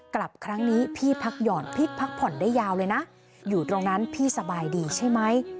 กลับครั้งนี้พี่พักห่อนพี่พักผ่อนได้ยาวเลยนะอยู่ตรงนั้นพี่สบายดีใช่ไหม